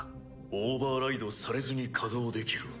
オーバーライドされずに稼働できる。